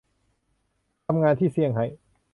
ทำงานที่ เซี่ยงไฮ้